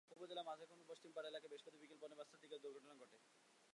উপজেলার মাঝুখান পশ্চিমপাড়া এলাকায় বৃহস্পতিবার বিকেল পৌনে পাঁচটার দিকে এ দুর্ঘটনা ঘটে।